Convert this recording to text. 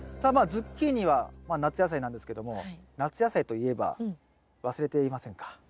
ズッキーニは夏野菜なんですけども夏野菜といえば忘れていませんか？